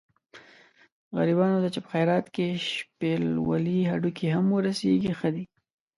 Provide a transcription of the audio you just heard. غریبانو ته چې په خیرات کې شپېلولي هډوکي هم ورسېږي ښه دي.